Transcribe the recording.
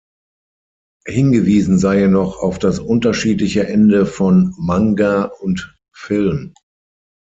Hingewiesen sei hier noch auf das unterschiedliche Ende von Manga und Film.